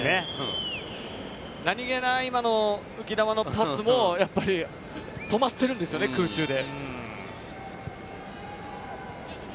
何気ない今の浮き球のパスも止まってるんですよね、空中で。